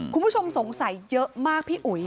คุณผู้ชมสงสัยเยอะมากพี่อุ๋ย